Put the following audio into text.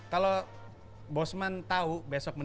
kalau bosman tau besok kemarin